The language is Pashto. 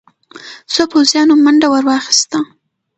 څو پوځيانو منډه ور واخيسته.